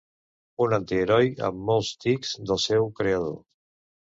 Un antiheroi amb molts tics del seu creador.